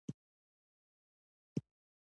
وسله د ظلم زور ده